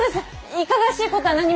いかがわしいことは何も。